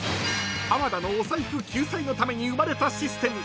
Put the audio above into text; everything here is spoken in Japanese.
［浜田のお財布救済のために生まれたシステム］